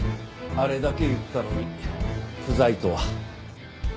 あれだけ言ったのに不在とは驚きました。